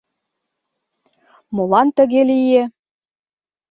Молан тыге лие?